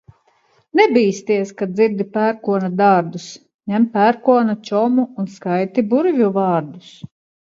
Nebīsties, kad dzirdi pērkona dārdus, ņem pērkona čomu un skaiti burvju vārdus.